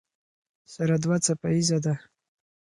سره دوه څپیزه ده.